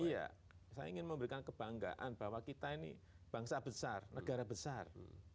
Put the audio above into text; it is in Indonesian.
iya saya ingin memberikan kebanggaan bahwa kita ini bangsa besar negara besar